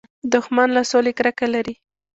دښمن له سولې کرکه لري